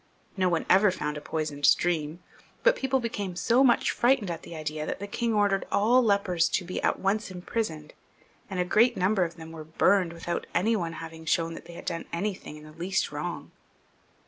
No one ever found a poisoned stream, but people became so much frightened at the idea, that the king ordered aU lepers to be at once imprisoned, and a great number of them were burned without any one having shown that they had done anything in the least wrong.